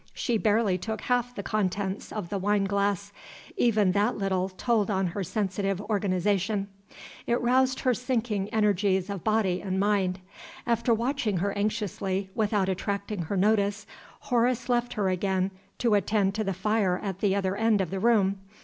She barely took half the contents of the wine glass. Even that little told on her sensitive organization; it roused her sinking energies of body and mind. After watching her anxiously, without attracting her notice, Horace left her again to attend to the fire at the other end of the room.